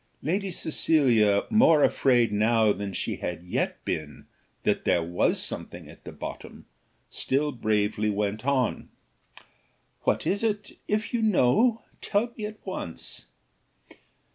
Lady Cecilia more afraid now than she had yet been that there was something at the bottom, still bravely went on, "What is it? If you know, tell me at once."